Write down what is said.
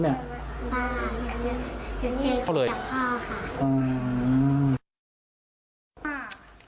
อย่างที่คุณกลับพอค่ะ